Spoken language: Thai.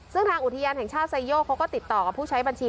ซึ่งทางอุทยานแห่งชาติไซโยกเขาก็ติดต่อกับผู้ใช้บัญชี